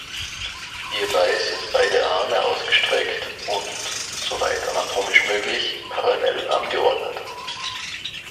Hierbei sind beide Arme ausgestreckt und, soweit anatomisch möglich, parallel angeordnet.